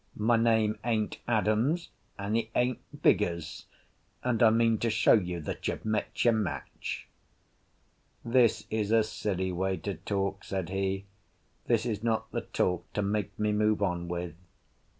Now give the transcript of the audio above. My name ain't Adams, and it ain't Vigours; and I mean to show you that you've met your match." "This is a silly way to talk," said he. "This is not the talk to make me move on with."